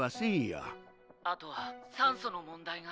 「あとは酸素の問題が」。